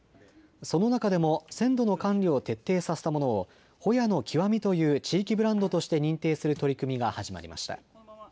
その中でも鮮度の管理を徹底させたものを、ほやの極みという地域ブランドとして認定する取り組みが始まりました。